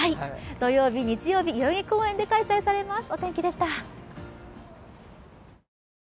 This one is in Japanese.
土曜日、日曜日、代々木公園で開催されます。